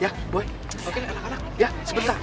ya baik oke anak anak ya sebentar